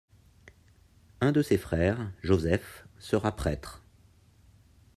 Un de ses frères, Joseph, sera prêtre.